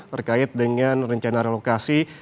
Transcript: terkait dengan rencana relokasi